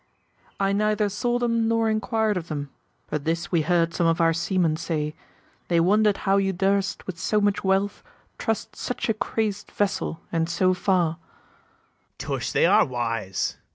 I neither saw them, nor inquir'd of them: But this we heard some of our seamen say, They wonder'd how you durst with so much wealth Trust such a crazed vessel, and so far. BARABAS. Tush, they are wise!